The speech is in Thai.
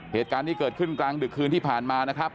เหตุการณ์นี้เกิดขึ้นกลางดึกคืนที่ผ่านมานะครับ